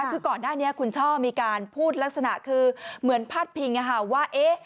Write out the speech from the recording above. คือก่อนหน้านี้คุณช่อมีการพูดลักษณะคือเหมือนพาดพิงว่า